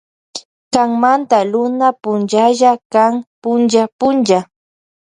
Kanmanta Luna punchalla kan punlla punlla.